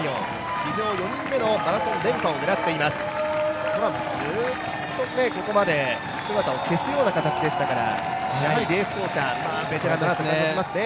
史上４人目のマラソン連覇を狙っています、トラもずっとここまで姿を消すような感じでしたから、やはりレース巧者、ベテランですね